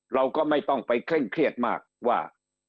เราก็ไม่ต้องไปเคร่งเครียดมากว่า